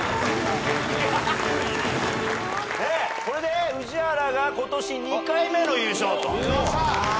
これで宇治原が今年２回目の優勝と。